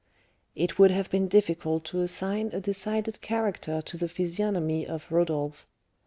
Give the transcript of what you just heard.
It would have been difficult to assign a decided character to the physiognomy of Rodolph.